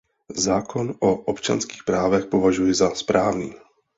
Zákon o občanských právech považuji za správný.